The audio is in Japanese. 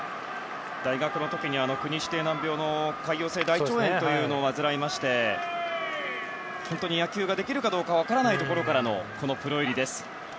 大学の時に国指定難病の潰瘍性大腸炎を患いまして野球ができるかどうか分からないところからのプロ入りです。